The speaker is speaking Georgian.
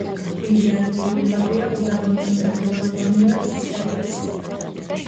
დიდი ადგილი უკავია უდაბნოებს, ნახევარუდაბნოებს, სტეპებს.